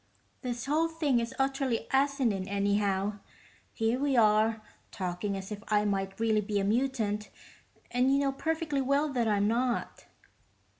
"This whole thing is utterly asinine, anyhow. Here we are, talking as if I might really be a mutant, and you know perfectly well that I'm not."